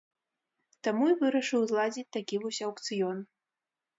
Таму і вырашыў зладзіць такі вось аўкцыён.